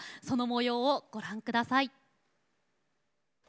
そのもようをご覧ください。